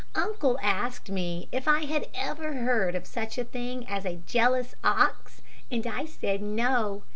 "Uncle asked me if I had ever heard of such a thing as a jealous ox, and I said no.